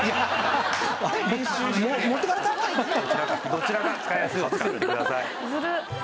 どちらか使いやすい方使ってください。